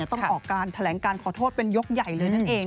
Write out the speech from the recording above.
ต้องออกการแถลงการขอโทษเป็นยกใหญ่เลยนั่นเอง